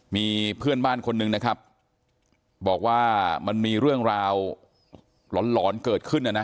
มีเพื่อนบ้านคนหนึ่งนะครับบอกว่ามันมีเรื่องราวหลอนหลอนเกิดขึ้นนะนะ